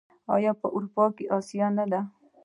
آیا په اروپا او اسیا کې نه دي؟